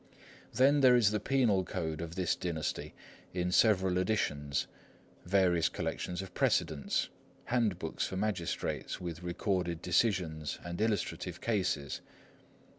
Then there is the Penal Code of this dynasty, in several editions; various collections of precedents; handbooks for magistrates, with recorded decisions and illustrative cases.